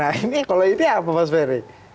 nah ini kalau ini apa mas ferry